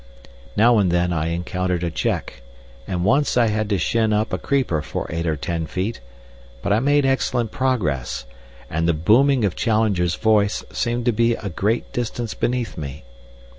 Now and then I encountered a check, and once I had to shin up a creeper for eight or ten feet, but I made excellent progress, and the booming of Challenger's voice seemed to be a great distance beneath me.